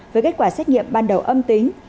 với kết quả xét nghiệm ban đầu âm tính